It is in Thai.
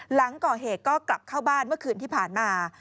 หลังก่อเหตุก็กลับเข้าบ้านเมื่อคืนที่ผ่านมา